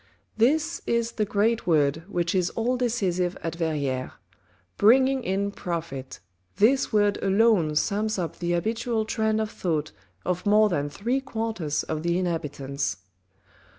This is the great word which is all decisive at Verrieres. "BRINGING IN PROFIT," this word alone sums up the habitual trend of thought of more than three quarters of the inhabitants.